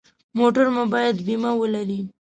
موټر مو باید بیمه ولري.